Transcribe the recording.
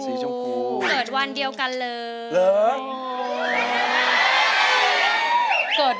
เกิดวันเดียวกันเลย